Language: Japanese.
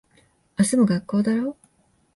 明日も学校だろ。